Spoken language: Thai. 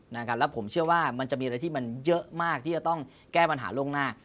แล้วผมเชื่อว่ามันจะมีอะไรที่มันเยอะมากที่จะต้องแก้ปัญหาล่วงหน้า